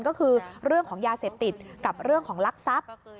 ก็คือเรื่องของยาเสพติดกับเรื่องของลักทรัพย์